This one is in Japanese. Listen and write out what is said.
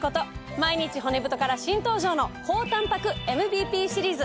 毎日骨太から新登場の高たんぱくＭＢＰシリーズ。